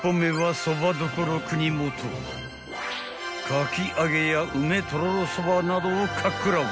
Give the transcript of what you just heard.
［かき揚げや梅とろろそばなどをかっ食らう］